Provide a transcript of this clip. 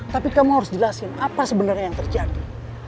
tapi kamu harus jelasin apa sebenarnya yang terjadi